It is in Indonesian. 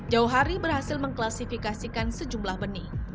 jauh hari berhasil mengklasifikasikan sejumlah benih